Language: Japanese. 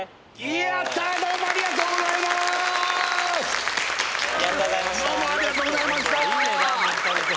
やったどうもありがとうございました